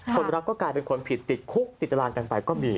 คนรักก็กลายเป็นคนผิดติดคุกติดตารางกันไปก็มี